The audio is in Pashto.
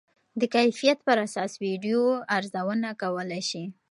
د کیفیت پر اساس ویډیو ارزونه کولی شئ.